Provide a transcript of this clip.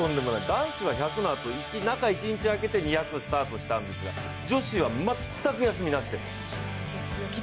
男子は１００のあと中一日あけて２００がスタートしたんですが女子は全く休みなしです。